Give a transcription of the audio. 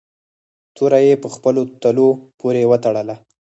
توره یې په خپلو تلو پورې و تړله.